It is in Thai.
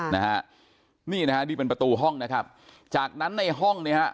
นะฮะนี่นะฮะนี่เป็นประตูห้องนะครับจากนั้นในห้องเนี่ยฮะ